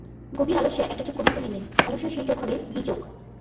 গভীর আলস্যে একটা চোখ কোনোমতে মেললেন-অবশ্যই সেই চোখ হবে-বী চোখ।